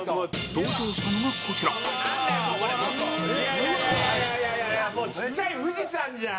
登場したのが、こちらいやいや、いやいやちっちゃい富士山じゃん。